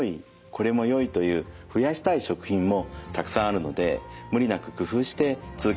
「これもよい」という増やしたい食品もたくさんあるので無理なく工夫して続けてください。